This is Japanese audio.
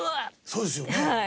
そうですよね。